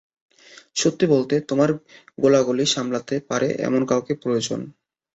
সত্যি বলতে, তোমার গোলাগুলি সামলাতে পারে এমন কাউকে প্রয়োজন।